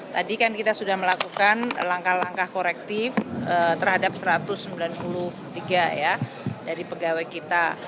tadi kan kita sudah melakukan langkah langkah korektif terhadap satu ratus sembilan puluh tiga ya dari pegawai kita